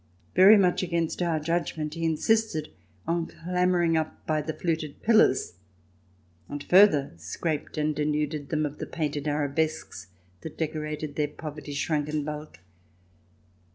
Very much against our judgment, he insisted on clambering up by the fluted pillars, and further scraped and denuded them of the painted arabesques that decorated their poverty shrunken bulk.